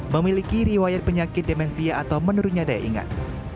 memiliki riwayat penyakit demensia atau menurunnya daya ingat